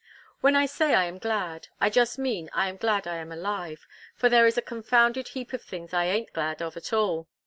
When I say I am glad, I just mean I am glad I am alive, for there is a confounded heap of things I an't glad of at all.